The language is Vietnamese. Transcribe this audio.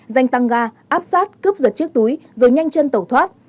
danh tăng ga áp sát cướp giật chiếc túi rồi nhanh chân tẩu thoát